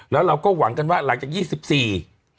แล้วเราก็หวังกันว่าหลังจาก๒๔พฤศจิกายน